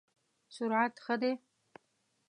سرعت ښه دی؟